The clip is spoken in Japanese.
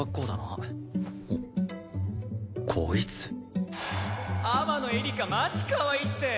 あっこいつ天野エリカマジかわいいって！